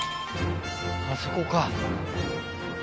あそこか。